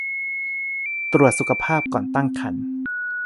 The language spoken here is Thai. ตรวจสุขภาพก่อนตั้งครรภ์